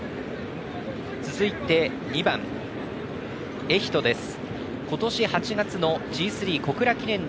続いて２番、エヒトです。